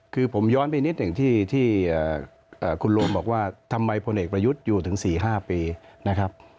คือผมย้อนไปนิดหนึ่งที่คุณโรมบอกว่าทำไมพลเอกประยุทธ์อยู่ถึง๔๕ปีนะครับ